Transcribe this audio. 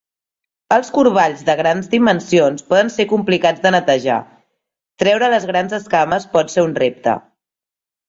Els corballs de grans dimensions poden ser complicats de netejar; treure les grans escames pot ser un repte.